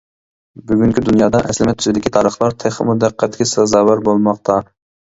بۈگۈنكى دۇنيادا ئەسلىمە تۈسىدىكى تارىخلار تېخىمۇ دىققەتكە سازاۋەر بولماقتا.